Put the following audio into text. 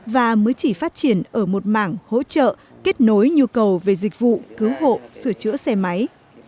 và mới chỉ phát triển ở một mảng hỗ trợ kết nối nhu cầu về dịch vụ cứu hộ sửa chữa xe máy